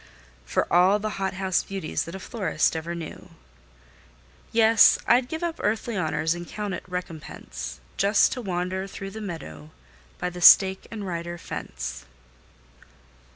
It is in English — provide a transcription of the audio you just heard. For all the hothouse beauties that a florist ever knew. Yes, I'd give up earthly honors, and count it recompense, Just to wander through the meadow by the stake and rider fence.